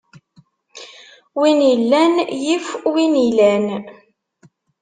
Win illan, yif win ilan.